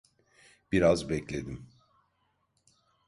Biraz bekledim.